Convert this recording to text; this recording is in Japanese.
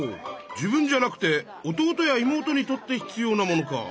自分じゃなくて弟や妹にとって必要なものか！